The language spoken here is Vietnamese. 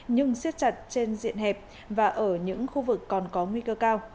nhưng siết chặt trên diện hẹp và ở những khu vực còn có nguy cơ cao